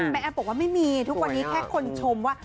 แอฟบอกว่าไม่มีทุกวันนี้แค่คนชมว่า